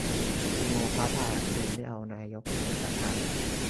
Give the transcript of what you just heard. อีโม ฟ้าผ่า คือ ไม่เอานายกจากฟ้า